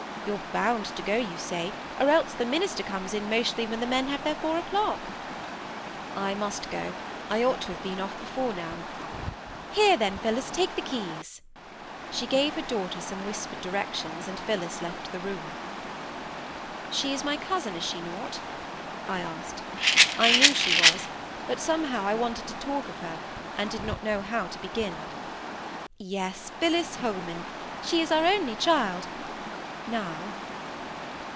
You're bound to go, you say, or else the minister comes in mostly when the men have their four o"clock." "I must go—I ought to have been off before now." "Here, then, Phillis, take the keys." She gave her daughter some whispered directions, and Phillis left the room. "She is my cousin, is she not?" I asked. I knew she was, but somehow I wanted to talk of her, and did not know how to begin. "Yes—Phillis Holman. She is our only child—now."